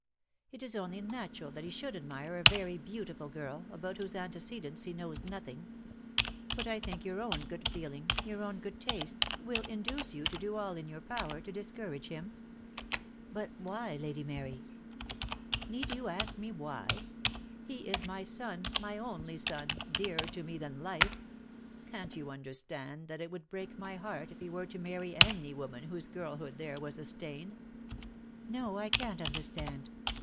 "It is only natural that he should admire a very beautiful girl, about whose antecedents he knows nothing; but I think your own good feeling, your own good taste, will induce you to do all in your power to discourage him?" "But why, Lady Mary?" DEAD LOVE HAS CHAINS. I 73 "Need you ask me why? He is my son, my only son, dearer to me than life. Can't you understand that it would break my heart if he were to marry any woman upon whose girlhood there was a stain?" i ••■,■■■■,...•■; "No, I can't understand.